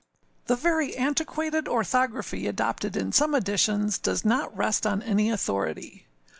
â The very antiquated orthography adopted in some editions does not rest on any authority.